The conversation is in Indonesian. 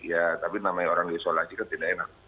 ya tapi namanya orang yang disolasi kan tidak enak